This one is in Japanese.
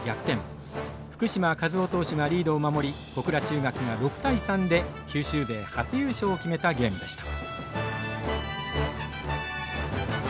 福嶋一雄投手がリードを守り小倉中学が６対３で九州勢初優勝を決めたゲームでした。